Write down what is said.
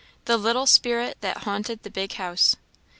The little spirit that haunted the big house.